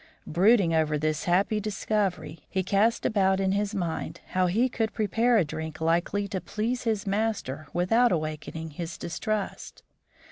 Brooding over this happy discovery, he cast about in his mind how he could prepare a drink likely to please his master without awakening his distrust.